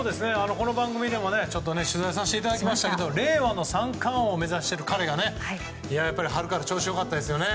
この番組でも取材させていただきましたが令和の三冠王を目指している彼が春から調子良かったですよね。